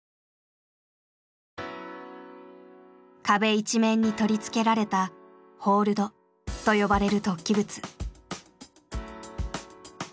壁一面に取り付けられた「ホールド」と呼ばれる突起物。